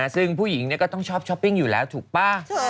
ซึ่งผู้หญิงก็ต้องชอบช้อปปิ้งอยู่แล้วถูกป่ะ